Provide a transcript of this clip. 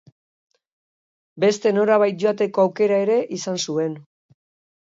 Beste norabait joateko aukera ere izan zuen.